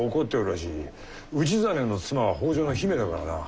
氏真の妻は北条の姫だからな。